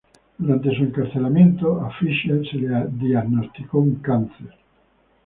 Durante su encarcelamiento, a Fischer se le diagnosticó un cáncer.